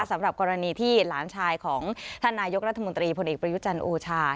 สำหรับกรณีที่หลานชายของท่านนายกรัฐมนตรีพลเอกประยุจันทร์โอชา